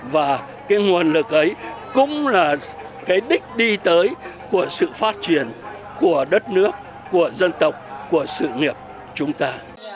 và cái nguồn lực ấy cũng là cái đích đi tới của sự phát triển của đất nước của dân tộc của sự nghiệp chúng ta